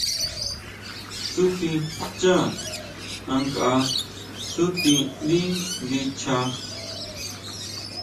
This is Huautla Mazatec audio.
Tsúti xchá ankʼa tsúti ndí ndicha.